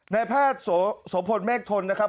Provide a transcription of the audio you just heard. ในภาพสมพลเมฆทนนะครับ